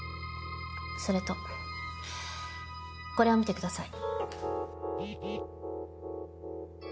それとこれを見てください。